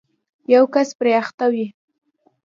یو کس پرې اخته وي